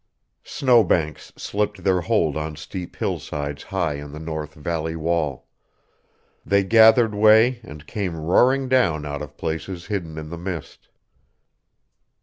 Snowbanks slipped their hold on steep hillsides high on the north valley wall. They gathered way and came roaring down out of places hidden in the mist.